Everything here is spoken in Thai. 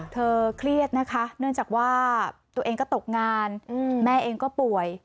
เครียดนะคะเนื่องจากว่าตัวเองก็ตกงานแม่เองก็ป่วย